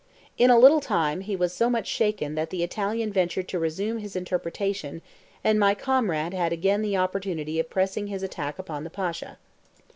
In a little time he was so much shaken that the Italian ventured to resume his interpretation, and my comrade had again the opportunity of pressing his attack upon the Pasha.